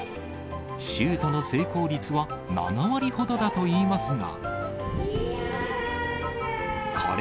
シュートの成功率は７割ほどだといいますが。